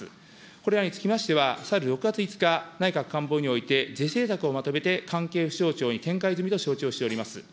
これらにつきましては、さる６月５日、内閣官房において、是正策をまとめて関係府省庁に承知をしております。